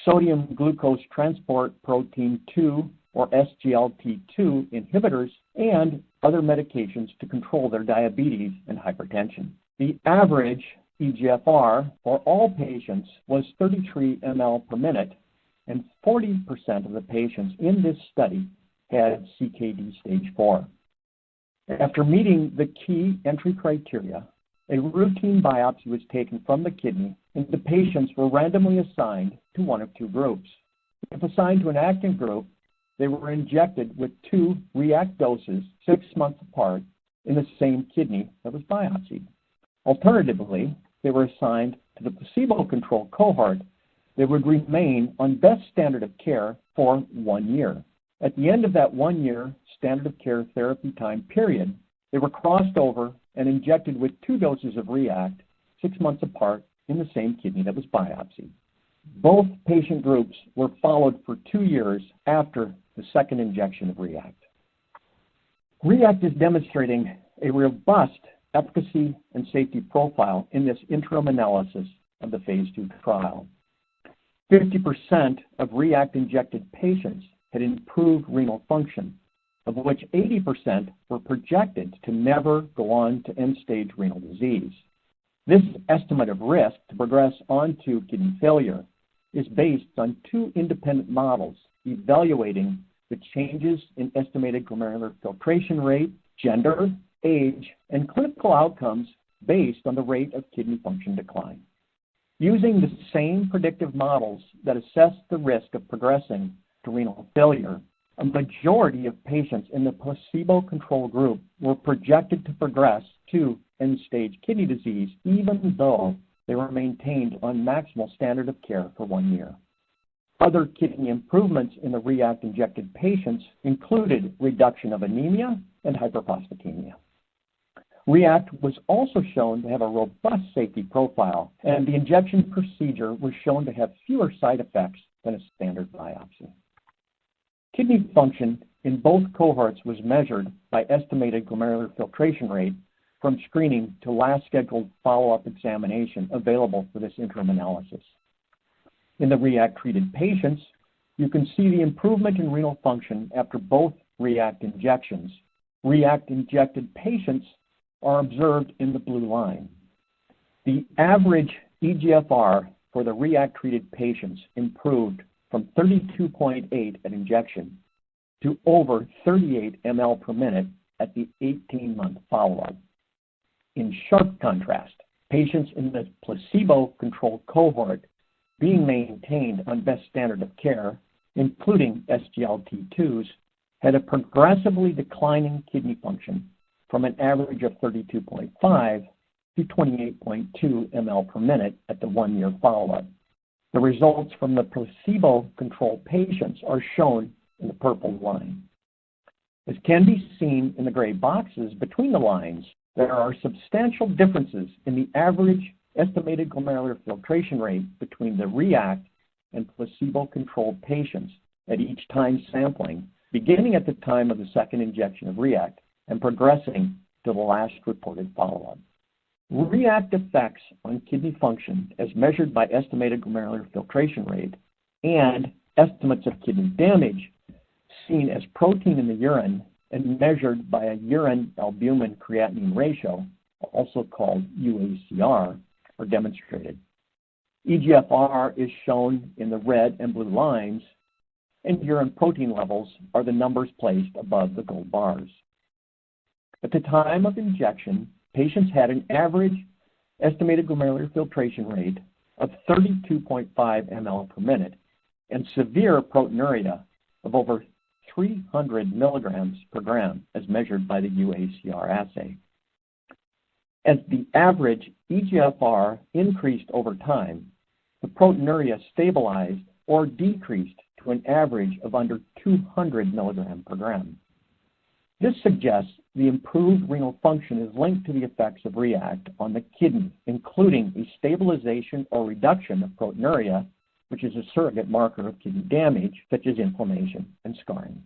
sodium-glucose cotransporter-2 or SGLT2 inhibitors, and other medications to control their diabetes and hypertension. The average eGFR for all patients was 33 mL/min, and 40% of the patients in this study had CKD stage 4. After meeting the key entry criteria, a routine biopsy was taken from the kidney, and the patients were randomly assigned to one of two groups. If assigned to an active group, they were injected with two REACT doses 6 months apart in the same kidney that was biopsied. Alternatively, they were assigned to the placebo-controlled cohort that would remain on best standard of care for 1 year. At the end of that one-year standard of care therapy time period, they were crossed over and injected with two doses of REACT 6 months apart in the same kidney that was biopsied. Both patient groups were followed for 2 years after the second injection of REACT. REACT is demonstrating a robust efficacy and safety profile in this interim analysis of the phase II trial. 50% of REACT-injected patients had improved renal function, of which 80% were projected to never progress to end-stage renal disease. This estimate of risk of progression to kidney failure is based on two independent models evaluating changes in estimated glomerular filtration rate, gender, age, and clinical outcomes based on the rate of kidney function decline. Using the same predictive models that assess the risk of progressing to renal failure, a majority of patients in the placebo-controlled group were projected to progress to end-stage kidney disease, even though they were maintained on maximal standard of care for one year. Other kidney improvements in the REACT-injected patients included reduction of anemia and hyperphosphatemia. REACT was also shown to have a robust safety profile, and the injection procedure had fewer side effects than a standard biopsy. Kidney function in both cohorts was measured by estimated glomerular filtration rate from screening to the last scheduled follow-up examination available for this interim analysis. In the REACT-treated patients, you can see the improvement in renal function after both REACT injections. REACT-injected patients are observed in the blue line. The average eGFR for the REACT-treated patients improved from 32.8 at injection to over 38 mL/min at the 18-month follow-up. In sharp contrast, patients in the placebo-controlled cohort being maintained on best standard of care, including SGLT2s, had progressively declining kidney function from an average of 32.5 to 28.2 mL/min at the one-year follow-up. The results from the placebo-controlled patients are shown in the purple line. As can be seen in the gray boxes between the lines, there are substantial differences in the average estimated glomerular filtration rate between the REACT and placebo-controlled patients at each time sampling, beginning at the time of the second injection of REACT and progressing to the last reported follow-up. REACT's effects on kidney function, as measured by estimated glomerular filtration rate, and estimates of kidney damage, seen as protein in the urine and measured by a urine albumin-creatinine ratio (also called UACR), are demonstrated. eGFR is shown in the red and blue lines, and urine protein levels are the numbers placed above the gold bars. At the time of injection, patients had an average estimated glomerular filtration rate of 32.5 mL/min and severe proteinuria of over 300 mg/g as measured by the UACR assay. As the average eGFR increased over time, the proteinuria stabilized or decreased to an average of under 200 milligrams per gram. This suggests the improved renal function is linked to the effects of REACT on the kidney, including a stabilization or reduction of proteinuria, which is a surrogate marker of kidney damage, such as inflammation and scarring.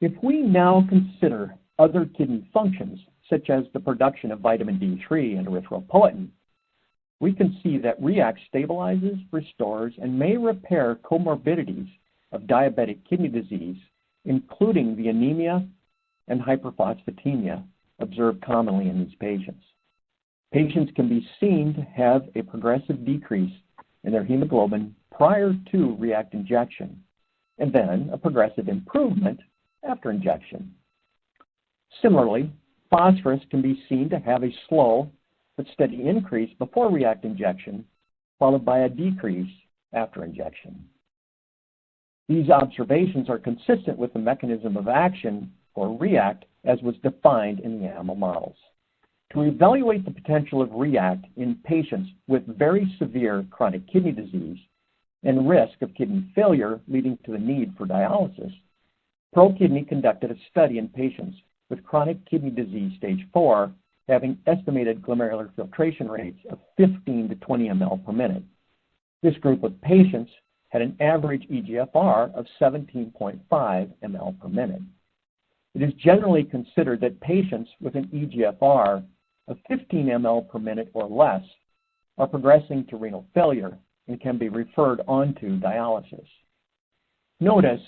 If we now consider other kidney functions, such as the production of vitamin D3 and erythropoietin, we can see that REACT stabilizes, restores, and may repair comorbidities of diabetic kidney disease, including the anemia and hyperphosphatemia observed commonly in these patients. Patients can be seen to have a progressive decrease in their hemoglobin prior to REACT injection and then a progressive improvement after injection. Similarly, phosphorus can be seen to have a slow but steady increase before REACT injection, followed by a decrease after injection. These observations are consistent with the mechanism of action for REACT as defined in the animal models. To evaluate the potential of REACT in patients with very severe chronic kidney disease and risk of kidney failure leading to the need for dialysis, ProKidney conducted a study in patients with chronic kidney disease stage 4 having estimated glomerular filtration rates of 15-20 mL/min. This group of patients had an average eGFR of 17.5 mL/min. It is generally considered that patients with an eGFR of 15 mL/min or less are progressing to renal failure and can be referred for dialysis. Notice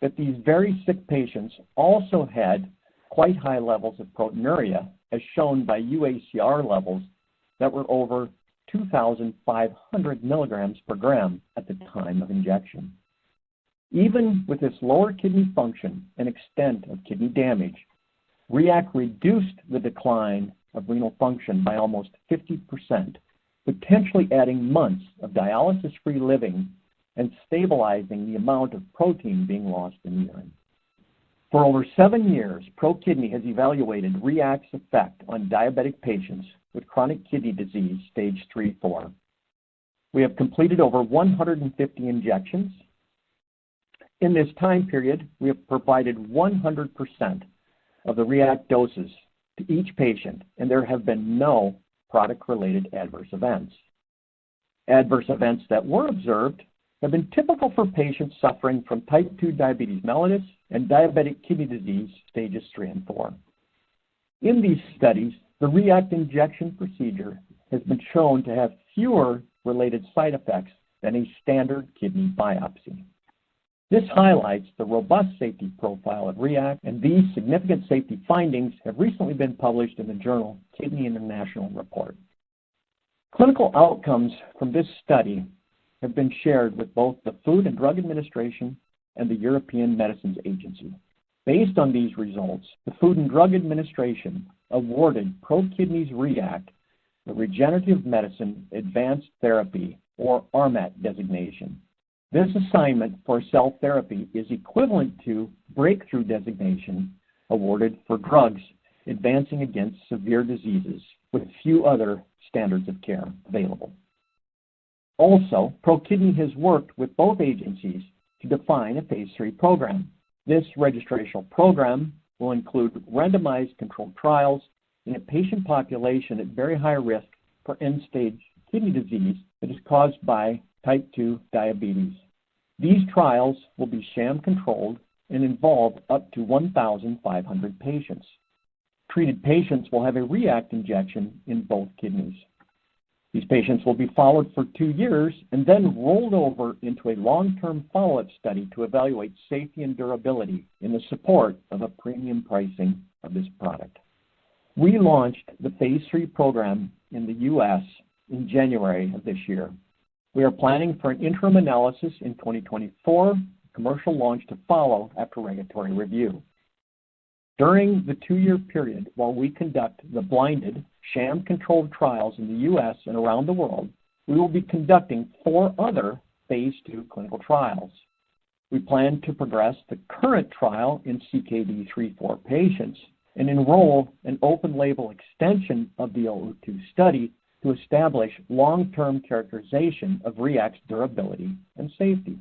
that these very sick patients also had quite high levels of proteinuria, as shown by UACR levels that were over 2,500 mg/g at the time of injection. Even with this lower kidney function and extent of kidney damage, REACT reduced the decline of renal function by almost 50%, potentially adding months of dialysis-free living and stabilizing the amount of protein being lost in urine. For over 7 years, ProKidney has evaluated REACT's effect on diabetic patients with chronic kidney disease stages 3 and 4. We have completed over 150 injections. In this time period, we have provided 100% of the REACT doses to each patient, and there have been no product-related adverse events. Adverse events that were observed have been typical for patients suffering from type 2 diabetes mellitus and diabetic kidney disease stages 3 and 4. In these studies, the REACT injection procedure has been shown to have fewer related side effects than a standard kidney biopsy. This highlights the robust safety profile of REACT, and these significant safety findings have recently been published in the journal Kidney International Reports. Clinical outcomes from this study have been shared with both the Food and Drug Administration and the European Medicines Agency. Based on these results, the Food and Drug Administration awarded ProKidney's REACT the Regenerative Medicine Advanced Therapy, or RMAT, designation. This assignment for cell therapy is equivalent to breakthrough designation awarded for drugs advancing against severe diseases with few other standards of care available. Also, ProKidney has worked with both agencies to define a phase III program. This registrational program will include randomized controlled trials in a patient population at very high risk for end-stage kidney disease that is caused by type 2 diabetes. These trials will be sham-controlled and involve up to 1,500 patients. Treated patients will have a REACT injection in both kidneys. These patients will be followed for two years and then rolled over into a long-term follow-up study to evaluate the safety and durability in support of premium pricing for this product. We launched the Phase III program in the U.S. in January of this year. We are planning for an interim analysis in 2024, with a commercial launch to follow after regulatory review. During the two-year period while we conduct the blinded, sham-controlled trials in the U.S. and around the world, we will be conducting four other Phase II clinical trials. We plan to progress the current trial in CKD3-4 patients and enroll an open-label extension of the RMCL-002 study to establish long-term characterization of REACT's durability and safety.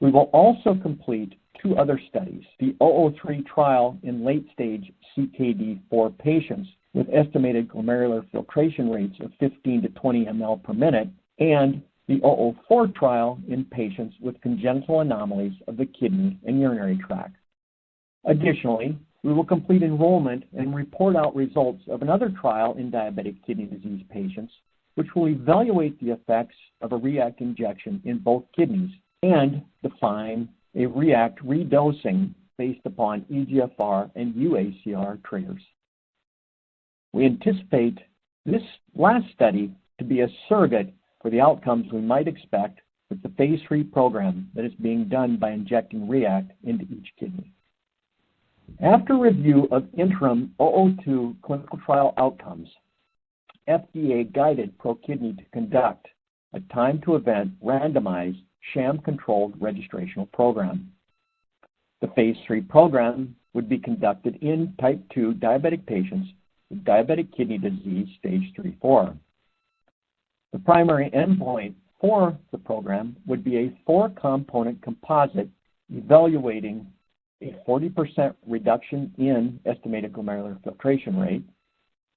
We will also complete two other studies: the REGEN-003 trial in late-stage CKD4 patients with estimated glomerular filtration rates of 15-20 mL/min, and the REGEN-004 trial in patients with congenital anomalies of the kidney and urinary tract. Additionally, we will complete enrollment and report results of another trial in diabetic kidney disease patients, which will evaluate the effects of a REACT injection in both kidneys and define REACT redosing based upon eGFR and UACR triggers. We anticipate this last study to be a surrogate for the outcomes we might expect with the phase III program, which is being done by injecting REACT into each kidney. After reviewing interim RMCL-002 clinical trial outcomes, the FDA guided ProKidney to conduct a time-to-event randomized sham-controlled registrational program. The phase III program would be conducted in type 2 diabetic patients with diabetic kidney disease stage 3-4. The primary endpoint for the program would be a four-component composite evaluating a 40% reduction in estimated glomerular filtration rate,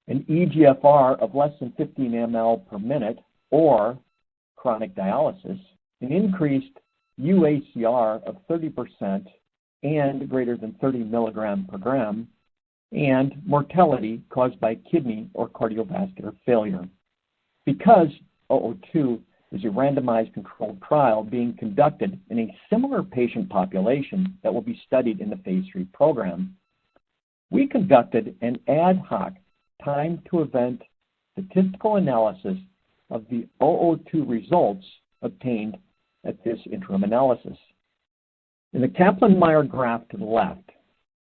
an eGFR of less than 15 mL/min or chronic dialysis, an increased UACR of 30% and greater than 30 mg/g, and mortality caused by kidney or cardiovascular failure. Because RMCL-002 is a randomized controlled trial being conducted in a similar patient population that will be studied in the phase III program, we conducted an ad hoc time-to-event statistical analysis of the RMCL-002 results obtained at this interim analysis. In the Kaplan-Meier graph to the left,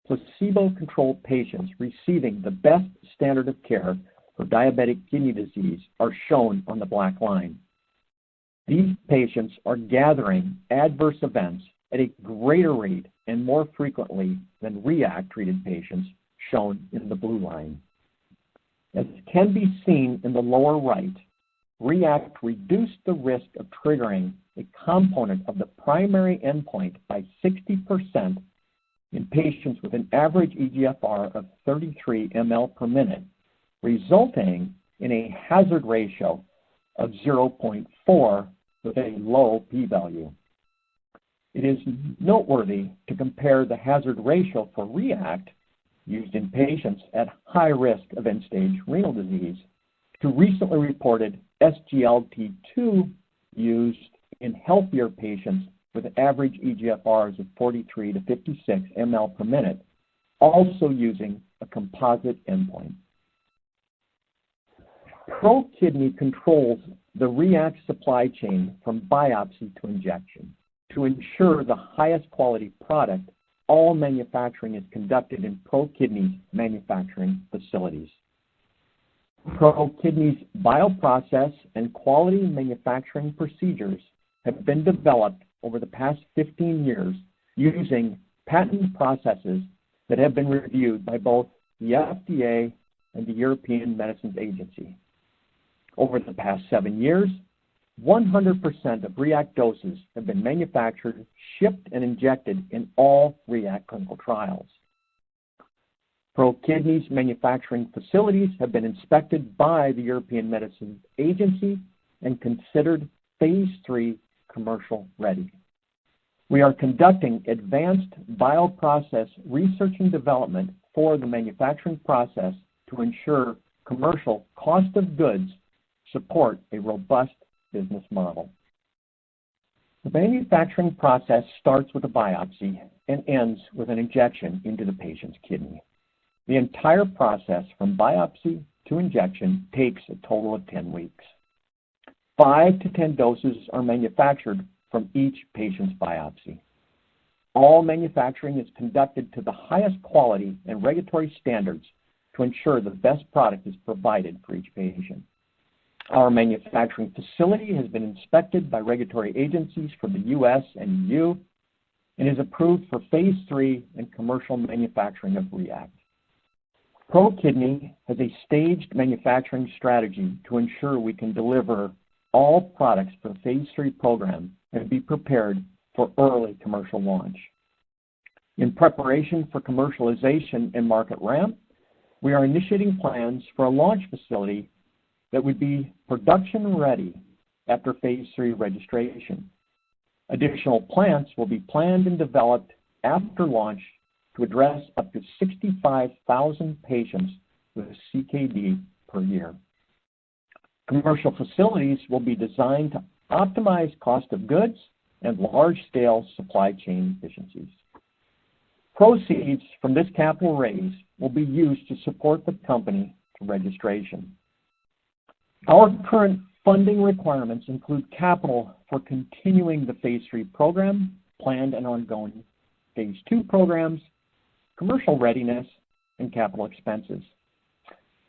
placebo-controlled patients receiving the best standard of care for diabetic kidney disease are shown on the black line. These patients are gathering adverse events at a greater rate and more frequently than REACT-treated patients shown in the blue line. As can be seen in the lower right, REACT reduced the risk of triggering a component of the primary endpoint by 60% in patients with an average eGFR of 33 mL per minute, resulting in a hazard ratio of 0.4 with a low p-value. It is noteworthy to compare the hazard ratio for REACT used in patients at high risk of end-stage renal disease to recently reported SGLT2 used in healthier patients with average eGFRs of 43-56 mL per minute, also using a composite endpoint. ProKidney controls the REACT supply chain from biopsy to injection. To ensure the highest quality product, all manufacturing is conducted in ProKidney manufacturing facilities. ProKidney's bioprocess and quality manufacturing procedures have been developed over the past 15 years using patented processes that have been reviewed by both the FDA and the European Medicines Agency. Over the past seven years, 100% of REACT doses have been manufactured, shipped, and injected in all REACT clinical trials. ProKidney's manufacturing facilities have been inspected by the European Medicines Agency and considered phase III commercial-ready. We are conducting advanced bioprocess research and development for the manufacturing process to ensure commercial cost of goods supports a robust business model. The manufacturing process starts with a biopsy and ends with an injection into the patient's kidney. The entire process from biopsy to injection takes a total of 10 weeks. 5-10 doses are manufactured from each patient's biopsy. All manufacturing is conducted to the highest quality and regulatory standards to ensure the best product is provided for each patient. Our manufacturing facility has been inspected by regulatory agencies from the U.S. and EU and is approved for phase III and commercial manufacturing of REACT. ProKidney has a staged manufacturing strategy to ensure we can deliver all products for the Phase III program and be prepared for early commercial launch. In preparation for commercialization and market ramp-up, we are initiating plans for a launch facility that would be production-ready after Phase III registration. Additional plants will be planned and developed after launch to address up to 65,000 patients with CKD per year. Commercial facilities will be designed to optimize the cost of goods and large-scale supply chain efficiencies. Proceeds from this capital raise will be used to support the company through registration. Our current funding requirements include capital for continuing the Phase III program, planned and ongoing Phase II programs, commercial readiness, and capital expenses.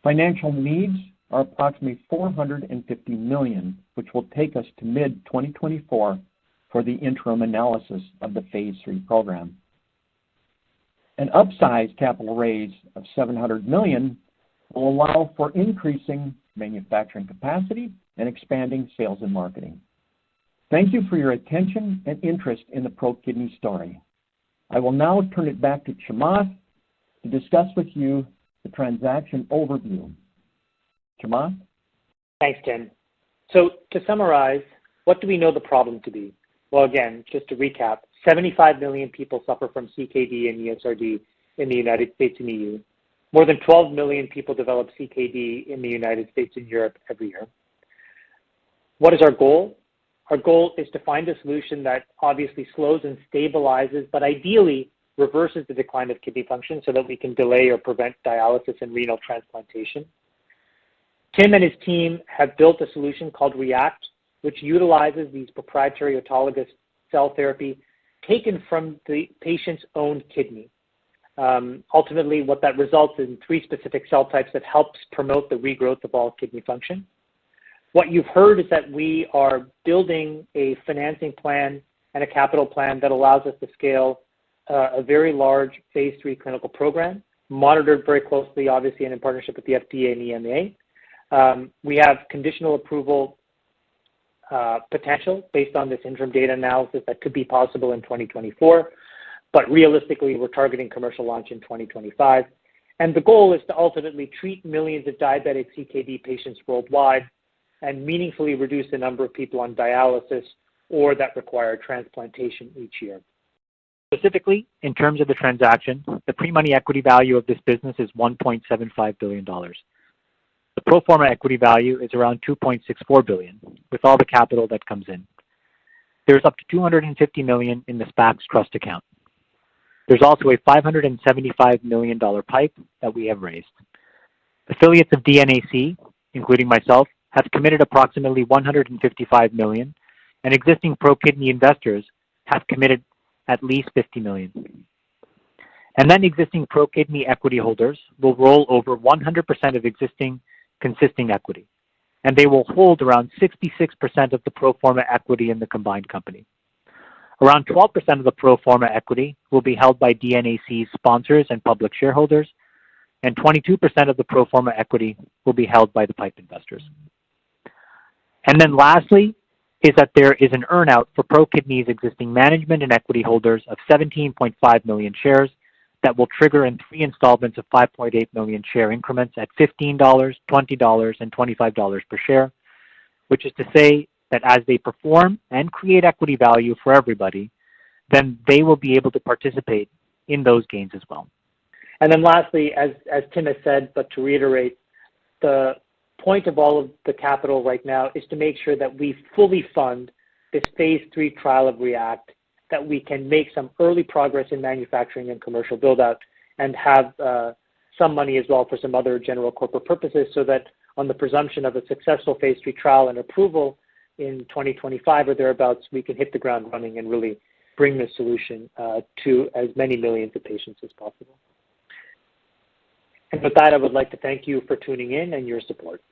Financial needs are approximately $450 million, which will take us to mid-2024 for the interim analysis of the Phase III program. An upsized capital raise of $700 million will allow for increasing manufacturing capacity and expanding sales and marketing. Thank you for your attention and interest in the ProKidney story. I will now turn it back to Chamath to discuss the transaction overview with you. Chamath? Thanks, Tim. To summarize, what do we know the problem to be? Well, again, just to recap, 75 million people suffer from CKD and ESRD in the United States and EU. More than 12 million people develop CKD in the United States and Europe every year. What is our goal? Our goal is to find a solution that obviously slows and stabilizes, but ideally reverses the decline of kidney function so that we can delay or prevent dialysis and renal transplantation. Tim and his team have built a solution called REACT, which utilizes this proprietary autologous cell therapy taken from the patient's own kidney. Ultimately, that results in three specific cell types that help promote the regrowth of all kidney function. What you've heard is that we are building a financing plan and a capital plan that allow us to scale a very large phase III clinical program, monitored very closely, obviously, and in partnership with the FDA and EMA. We have conditional approval potential based on this interim data analysis that could be possible in 2024, but realistically, we're targeting commercial launch in 2025. The goal is to ultimately treat millions of diabetic CKD patients worldwide and meaningfully reduce the number of people on dialysis or who require transplantation each year. Specifically, in terms of the transaction, the pre-money equity value of this business is $1.75 billion. The pro forma equity value is around $2.64 billion with all the capital that comes in. There's up to $250 million in the SPAC's trust account. There's also a $575 million PIPE that we have raised. Affiliates of DNAC, including myself, have committed approximately $155 million, and existing ProKidney investors have committed at least $50 million. Existing ProKidney equity holders will roll over 100% of existing outstanding equity, and they will hold around 66% of the pro forma equity in the combined company. Around 12% of the pro forma equity will be held by DNAC's sponsors and public shareholders, and 22% of the pro forma equity will be held by the PIPE investors. Lastly, there is an earn-out for ProKidney's existing management and equity holders of 17.5 million shares that will trigger in three installments of 5.8 million share increments at $15, $20, and $25 per share. Which is to say that as they perform and create equity value for everybody, they will be able to participate in those gains as well. Lastly, as Tim has said, but to reiterate, the point of all of the capital right now is to make sure that we fully fund this phase III trial of REACT, that we can make some early progress in manufacturing and commercial build-out, and have some money as well for some other general corporate purposes, so that on the presumption of a successful phase III trial and approval in 2025 or thereabouts, we can hit the ground running and really bring this solution to as many millions of patients as possible. With that, I would like to thank you for tuning in and your support.